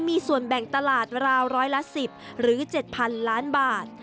มีส่วนแบ่งตลาดราวร้อยละ๑๐หรือ๗๐๐ล้านบาท